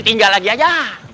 tinggal lagi aja